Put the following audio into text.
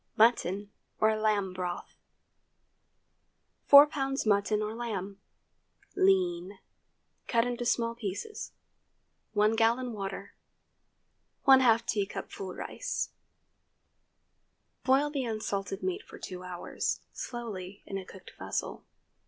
MUTTON OR LAMB BROTH. ✠ 4 lbs. mutton or lamb—lean—cut into small pieces. 1 gallon water. ½ teacupful rice. Boil the unsalted meat for two hours, slowly, in a covered vessel.